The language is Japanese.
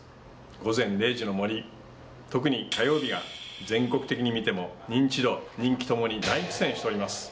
「午前０時の森」特に火曜日が認知度、人気ともに大苦戦しております。